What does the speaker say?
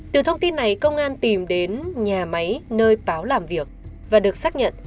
từ thông tin này công an tìm đến nhà máy nơi báo làm việc và được xác nhận